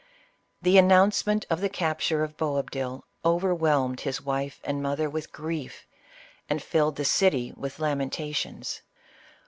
The announcement of the capture of Boabdil, overwhelmed his wife and mother with grief, and filled the city with lamentations.